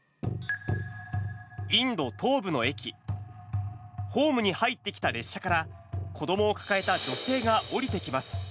インド東部の駅、ホームに入ってきた列車から、子どもを抱えた女性が降りてきます。